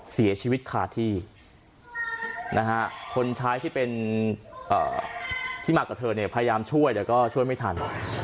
เสียชีวิตขาดที่คนชายที่เป็นที่มากับเธอเนี่ยพยายามช่วยแต่ก็ช่วยไม่ทัน